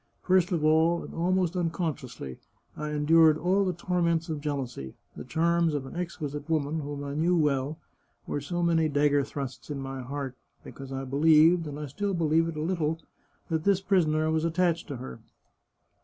First of all, and almost unconsciously, I endured all the torments of jeal ousy. The charms of an exquisite woman, whom I knew well, were so many dagger thrusts in my heart, because I believed, and I still believe it a little, that this prisoner was attached to her.